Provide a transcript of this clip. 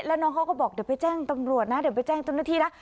แล้วน้องเขาก็บอกเดี๋ยวไปแจ้งตำรวจนะเดี๋ยวไปแจ้งเจ้าหน้าที่นะ